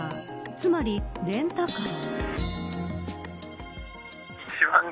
つまり、レンタカー。